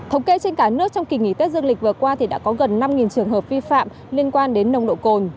thống kê trên cả nước trong kỳ nghỉ tết dương lịch vừa qua thì đã có gần năm trường hợp vi phạm liên quan đến nồng độ cồn